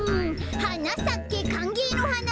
「はなさけかんげいのはな」